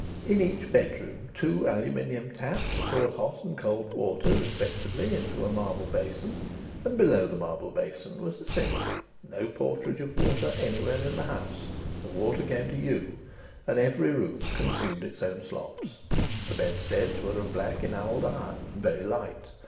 In each bedroom two aluminium taps poured hot and cold water respectively into a marble basin, and below the marble basin was a sink. No porterage of water anywhere in the house. The water came to you, and every room consumed its own slops. The bedsteads were of black enamelled iron and very light.